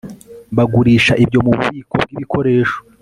bagurisha ibyo mububiko bwibikoresho